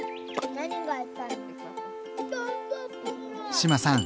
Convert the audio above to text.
志麻さん